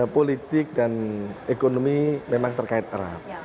politik dan ekonomi memang terkait erat